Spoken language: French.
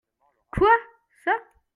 Quoi ?- Ça.